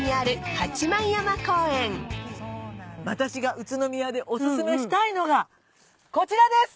私が宇都宮でお薦めしたいのがこちらです。